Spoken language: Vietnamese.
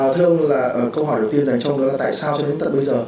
thưa ông câu hỏi đầu tiên dành cho ông đó là tại sao cho đến tận bây giờ